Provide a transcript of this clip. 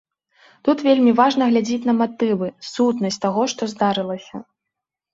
Тут вельмі важна глядзець на матывы, сутнасць таго, што здарылася.